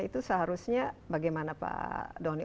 itu seharusnya bagaimana pak doni